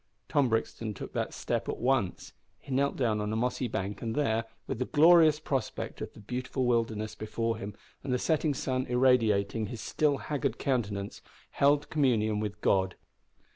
Tom Brixton took that step at once. He knelt down on a mossy bank, and there, with the glorious prospect of the beautiful wilderness before him, and the setting sun irradiating his still haggard countenance, held communion with God.